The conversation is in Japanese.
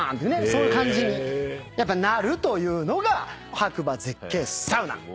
そういう感じになるというのが白馬絶景サウナ。